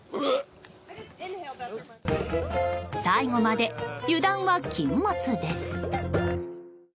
最後まで油断は禁物です。